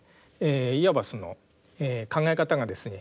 いわばその考え方がですね